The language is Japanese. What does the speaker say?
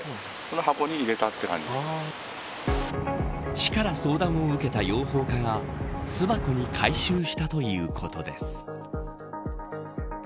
市から相談を受けた養蜂家が巣箱に回収したということです。